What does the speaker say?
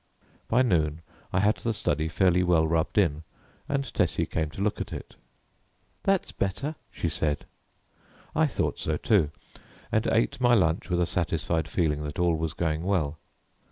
By noon I had the study fairly well rubbed in and Tessie came to look at it. "That's better," she said. I thought so too, and ate my lunch with a satisfied feeling that all was going well.